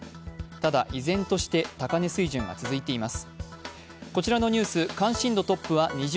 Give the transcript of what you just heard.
ただ依然として高値水準が続いています。